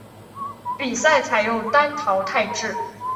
比赛采用单淘汰制。